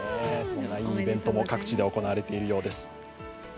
そんないいイベントも各地で行われているようです。